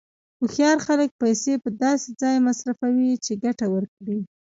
هوښیار خلک پیسې په داسې ځای مصرفوي چې ګټه ورکړي.